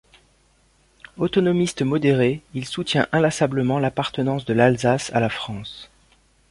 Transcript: Autonomiste modéré, il soutient inlassablement l'appartenance de l'Alsace à la France.